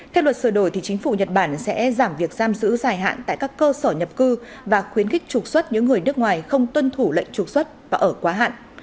theo luật sửa đổi thì chính phủ nhật bản sẽ giảm việc giam giữ dài hạn tại các cơ sở nhập cư và khuyến khích trục xuất những người nước ngoài không tuân thủ lệnh trục xuất và ở quá hạn